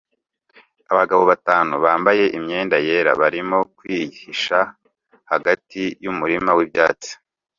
Abagabo batanu bambaye imyenda yera barimo kwihisha hagati yumurima wibyatsi